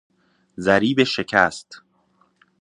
ضریب شکست